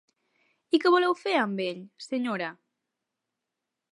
I què voleu fer amb ell, senyora?